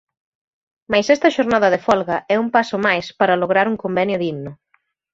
Mais esta xornada de folga é un paso máis para lograr un convenio digno.